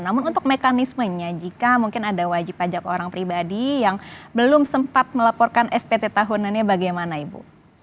namun untuk mekanismenya jika mungkin ada wajib pajak orang pribadi yang belum sempat melaporkan spt tahunannya bagaimana ibu